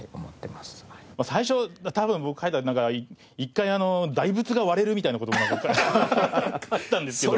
最初多分僕書いたのが一回大仏が割れるみたいな事も書いたんですけど。